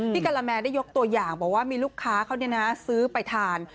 พี่กัลแมได้ยกตัวอย่างบอกว่ามีลูกค้าเขาเนี่ยนะซื้อไปทาน